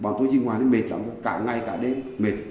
chúng tôi đi ngoài thì mệt lắm cả ngày cả đêm mệt